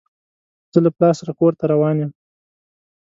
زه له پلار سره کور ته روان يم.